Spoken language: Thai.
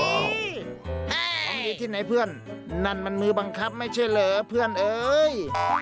ของอยู่ที่ไหนเพื่อนนั่นมันมือบังคับไม่ใช่เหรอเพื่อนเอ้ย